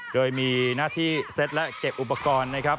โดยมีหน้าที่เซ็ตและเก็บอุปกรณ์นะครับ